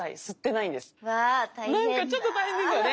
なんかちょっと大変ですよね。